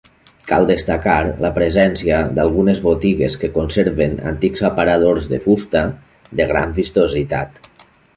Cal destacar la presència d'algunes botigues que conserven antics aparadors de fusta de gran vistositat.